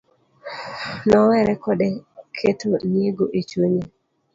Nowere koda keto nyiego e chunye